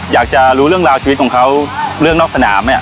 อยากจะรู้เรื่องราวชีวิตของเขาเรื่องนอกสนาม